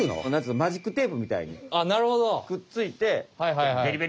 マジックテープみたいにくっついてベリベリベリ。